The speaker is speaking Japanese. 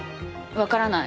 わからない。